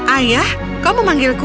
ayah kau mau memanggilku